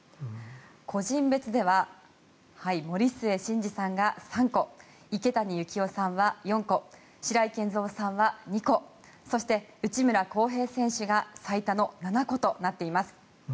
個人別では森末慎二さんが３個池谷幸雄さんは４個白井健三さんは２個そして、内村航平選手が最多の７個となっています。